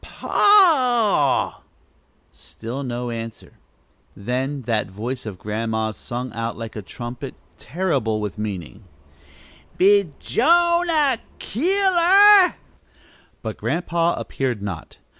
pa a a!" Still no answer. Then that voice of Grandma's sung out like a trumpet, terrible with meaning "Bijonah Keeler!" But Grandpa appeared not.